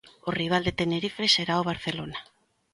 O rival de Tenerife será o Barcelona.